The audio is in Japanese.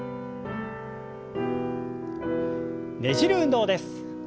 ねじる運動です。